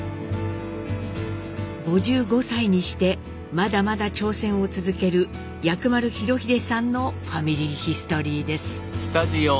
５５歳にしてまだまだ挑戦を続ける薬丸裕英さんの「ファミリーヒストリー」です。